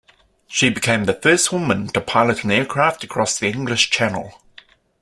She became the first woman to pilot an aircraft across the English Channel.